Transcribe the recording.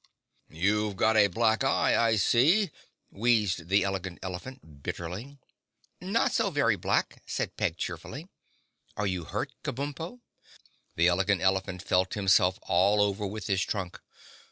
"You've got a black eye, I see," wheezed the Elegant Elephant bitterly. "Not so very black," said Peg cheerfully. "Are you hurt, Kabumpo?" The Elegant Elephant felt himself all over with his trunk.